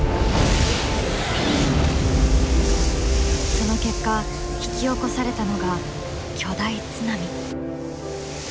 その結果引き起こされたのが巨大津波。